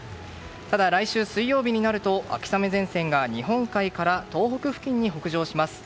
ただ、来週水曜日になると秋雨前線が日本海から東北付近に北上します。